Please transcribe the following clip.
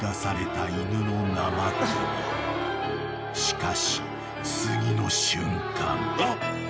［しかし次の瞬間］